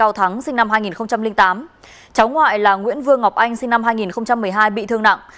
cháu thắng sinh năm hai nghìn tám cháu ngoại là nguyễn vương ngọc anh sinh năm hai nghìn một mươi hai bị thương nặng